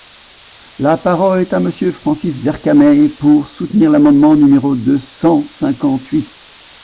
La parole est à Monsieur Francis Vercamer, pour soutenir l’amendement numéro deux cent cinquante-huit.